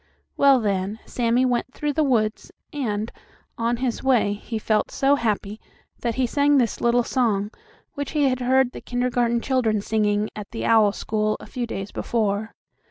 Well, then, Sammie went through the woods, and, on his way, he felt so happy that he sang this little song, which he had heard the kindergarten children singing at the owl school a few days before.